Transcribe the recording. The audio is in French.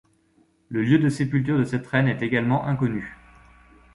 Le lieu de sépulture de cette reine est également inconnu.